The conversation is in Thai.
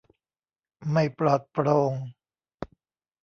ไม่ปลอดโปร่ง